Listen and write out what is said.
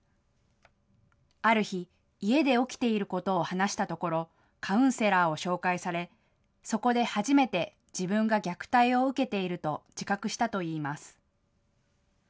ある日、家で起きていることを話したところ、カウンセラーを紹介され、そこで初めて自分が虐待を受けていると自覚したといいます。